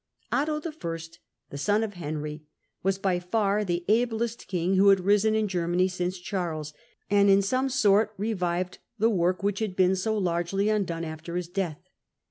Otto I., the son of Henry, was by far the ablest king who had risen in Germany since Charles, and in some sort revived the work which had been so largely undone after his death.